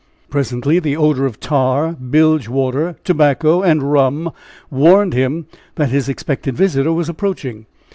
Presently the odor of tar, bilge water, tobacco and rum warned him that his expected visitor was approaching.